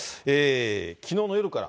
きのうの夜から。